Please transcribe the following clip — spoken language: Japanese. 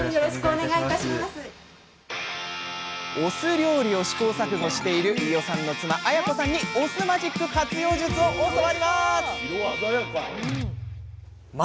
お酢料理を試行錯誤している飯尾さんの妻綾子さんにお酢マジック活用術を教わります